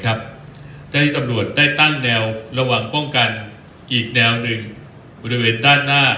เจ้าหน้าที่ตำรวจได้ตั้งแนวระวังป้องกันอีกแนวหนึ่งบริเวณด้านหน้า